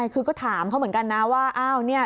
คือก็ถามเขาเหมือนกันนะว่าอ้าวเนี่ย